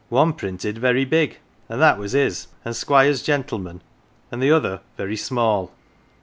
One printed very big and that was his and Squired gentleman and the other very small.